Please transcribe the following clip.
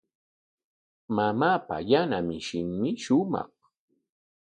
Mamaapa yana mishinmi shumaq.